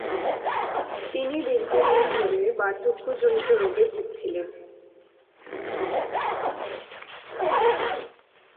তিনি দীর্ঘদিন ধরে বার্ধক্যজনিত রোগে ভুগছিলেন।